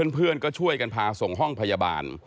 เพื่อนก็ช่วยกันพาส่งห้องพยาบาล